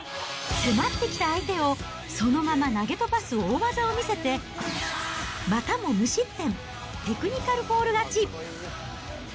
迫ってきた相手をそのまま投げ飛ばす大技を見せて、またも無失点、テクニカルフォール勝ち。